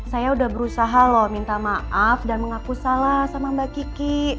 saya udah berusaha loh minta maaf dan mengaku salah sama mbak kiki